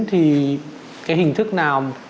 thì cái hình thức nào